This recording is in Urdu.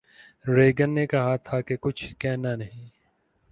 ریگن نے کہا تھا کہ کچھ کہنا نہیں